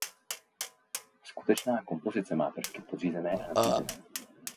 Skutečná kompozice má prvky podřízené a nadřízené.